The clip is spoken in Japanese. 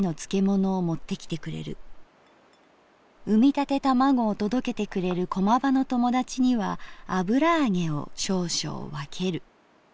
生みたて玉子を届けてくれる駒場の友達には油揚げを少々わける」。